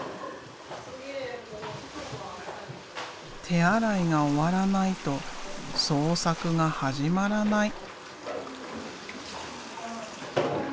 手洗いが終わらないと創作が始まらない。